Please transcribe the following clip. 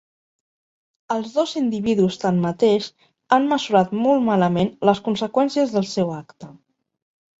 Els dos individus tanmateix han mesurat molt malament les conseqüències del seu acte.